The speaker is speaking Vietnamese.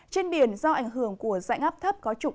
trên biển do ảnh hưởng của dạnh áp thấp có trục